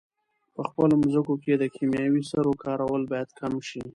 په خپلو مځکو کې د کیمیاوي سرو کارول باید کم شي.